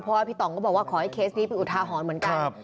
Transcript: เพราะว่าพี่ต่องก็บอกว่าขอให้เคสนี้เป็นอุทาหรณ์เหมือนกัน